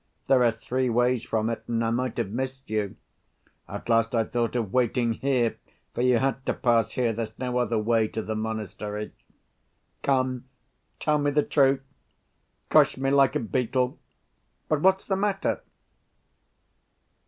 There are three ways from it, and I might have missed you. At last I thought of waiting here, for you had to pass here, there's no other way to the monastery. Come, tell me the truth. Crush me like a beetle. But what's the matter?"